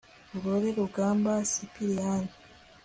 urore rugamba sipiriyani